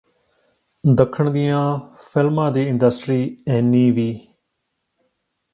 ਦੱਖਣ ਦੀਆਂ ਫ਼ਿਲਮਾਂ ਦੀ ਇੰਡਸਟਰੀ ਐਨੀ ਵੀ